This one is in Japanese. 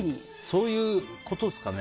そういうことですかね。